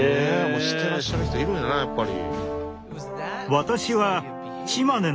もうしてらっしゃる人いるんやなやっぱり。